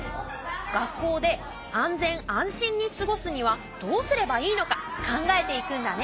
学校で安全・安心に過ごすにはどうすればいいのか考えていくんだね。